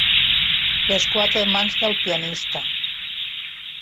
Les quatre mans del pianista.